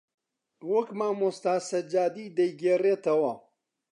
وەک مامۆستا سەجادی دەیگێڕێتەوە